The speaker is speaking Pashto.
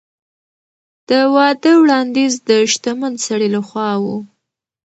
د واده وړاندیز د شتمن سړي له خوا و.